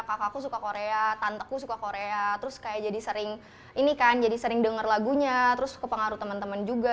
kakakku suka korea tanteku suka korea terus kayak jadi sering denger lagunya terus ke pengaruh temen temen juga